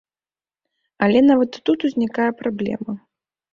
Але нават і тут узнікае праблема.